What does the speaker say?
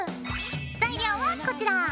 材料はこちら。